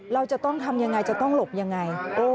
เราจะต้องทำยังไงจะต้องหลบยังไง